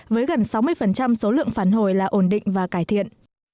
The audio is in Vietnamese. với gần sáu mươi số lượng phản hồi là ổn định và cải thiện